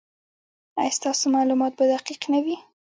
ایا ستاسو معلومات به دقیق نه وي؟